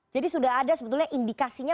jadi sudah ada sebetulnya indikasinya